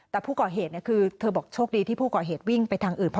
แต่ผู้ก่อเหตุคือเธอบอกโชคดีที่ผู้ก่อเหตุวิ่งไปทางอื่น